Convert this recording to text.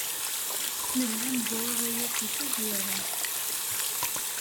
Nella neẓra aya seg tazwara.